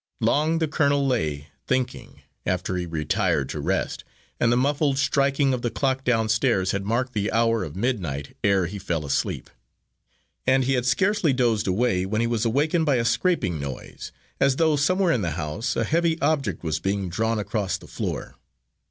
Long the colonel lay thinking, after he retired to rest, and the muffled striking of the clock downstairs had marked the hour of midnight ere he fell asleep. And he had scarcely dozed away, when he was awakened by a scraping noise, as though somewhere in the house a heavy object was being drawn across the floor.